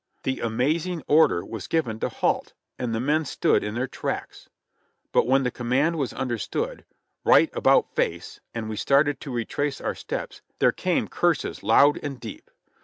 The amazing order was given to halt, and the men stood in their tracks. But when the command was understood, "Right about face," and we started to retrace our steps, there came curses loud and deep.